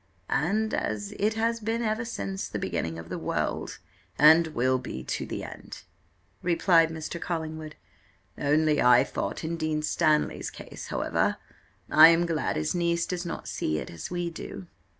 "And as it has been ever since the beginning of the world and will be to the end," replied Mr. Collingwood. "Only I thought in Dean Stanley's case however, I am glad his niece does not see it as we do."